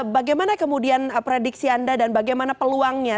bagaimana kemudian prediksi anda dan bagaimana peluangnya